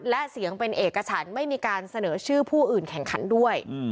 และเสียงเป็นเอกฉันไม่มีการเสนอชื่อผู้อื่นแข่งขันด้วย